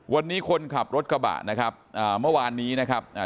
วันนี้คนขับรถกระบะนะครับอ่าเมื่อวานนี้นะครับอ่า